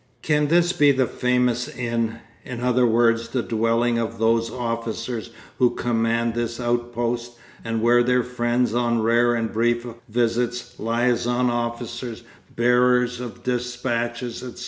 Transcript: Can this be the famous inn in other words the dwelling of those officers who command this outpost, and where their friends on rare and brief visits, liaison officers, bearers of dispatches, etc.